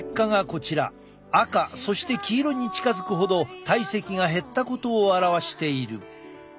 赤そして黄色に近づくほど体積が減ったことを表している。